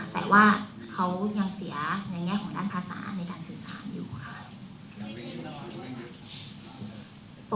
แต่ว่าเขายังเสียในแง่ของด้านภาษาในการสื่อสารอยู่ค่ะ